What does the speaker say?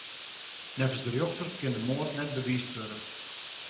Neffens de rjochter kin de moard net bewiisd wurde.